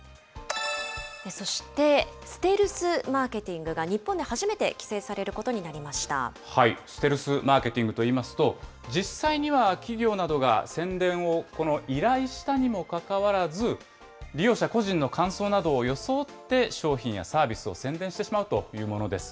そして、ステルスマーケティングが日本で初めて規制されるこステルスマーケティングといいますと、実際には、企業などが宣伝を依頼したにもかかわらず、利用者個人の感想などを装って商品やサービスを宣伝してしまうというものです。